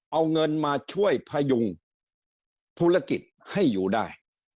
เอาเงินมาช่วยพยุงธุรกิจให้อยู่ได้